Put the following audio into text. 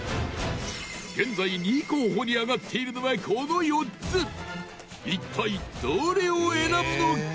現在、２位候補に挙がっているのは、この４つ一体、どれを選ぶのか？